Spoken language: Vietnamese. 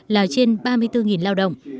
là trên ba mươi bốn lao động